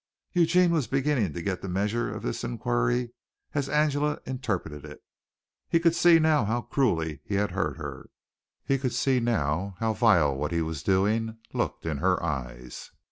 Eugene was beginning to get the measure of his iniquity as Angela interpreted it. He could see now how cruelly he had hurt her. He could see now how vile what he was doing looked in her eyes.